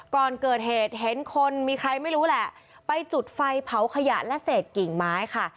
ก่อนเกิดเหตุเห็นคนมีใครไม่รู้แหละไปจุดไฟเผาขยะและเศษกิ่งไม้ค่ะ